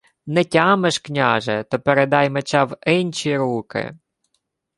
— Не тямиш, княже, то передай меча в инчі руки!